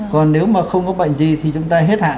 còn nếu mà không có bệnh gì thì chúng ta hết hạn